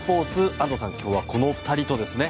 安藤さん、今日はこの２人とですね。